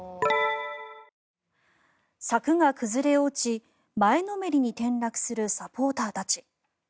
柵が崩れ落ち前のめりに転落するサポーターたち。